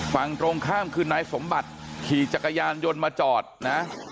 ฝั่งตรงข้ามคือนายสมบัติขี่จักรยานยนต์มาจอดนะ